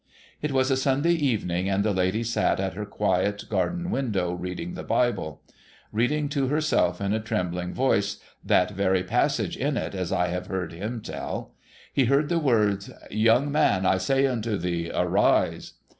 It was a Sunday evening, and the lady sat at her quiet garden window, reading the Bible ; reading to herself, in a trembling voice, that very passage in it, as I have heard him tell. He heard the words :' Young man, I say unto thee, arise